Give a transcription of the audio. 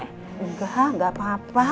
tidak tidak apa apa